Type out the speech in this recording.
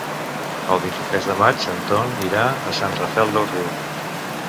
El vint-i-tres de maig en Ton irà a Sant Rafel del Riu.